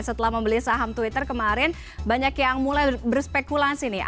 setelah membeli saham twitter kemarin banyak yang mulai berspekulasi nih